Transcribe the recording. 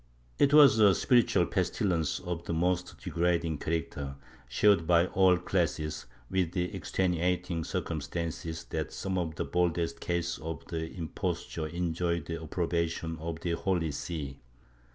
It was a spiritual pestilence of the most degrading character, shared by all classes, with the extenuating circumstances that some of the boldest cases of impos ture enjoyed the approbation of the Holy See.